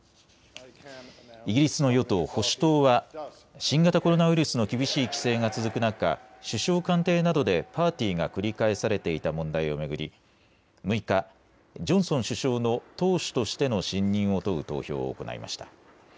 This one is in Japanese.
イギリスの与党保守党は新型コロナウイルスの厳しい規制が続く中、首相官邸などでパーティーが繰り返されていた問題を巡り６日、ジョンソン首相の党首としての信任を問う投票を行いました。